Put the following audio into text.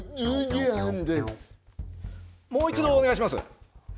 もう一度お願いします。